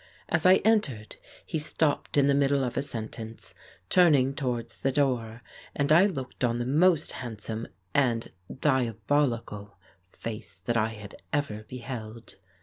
As I entered, he stopped in the middle of a sentence, turning towards the door, and I looked on the most handsome and diabolical face that I had ever beheld.